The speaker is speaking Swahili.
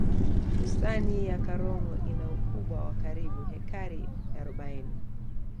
bustani ya karomo ina ukubwa wa karibu hekari arobaini